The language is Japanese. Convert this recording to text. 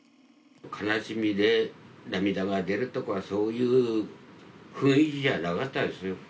悲しみで涙が出るとか、そういう雰囲気じゃなかったですよ。